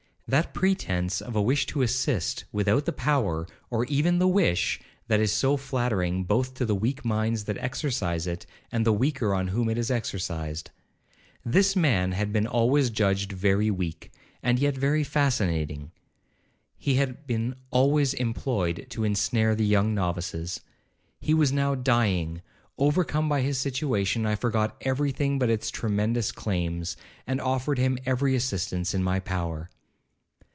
—That pretence of a wish to assist, without the power, or even the wish, that is so flattering both to the weak minds that exercise it, and the weaker on whom it is exercised. This man had been always judged very weak, and yet very fascinating. He had been always employed to ensnare the young novices. He was now dying—overcome by his situation, I forgot every thing but its tremendous claims, and offered him every assistance in my power.